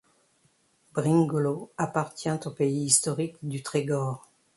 Bringolo appartient au pays historique du Trégor.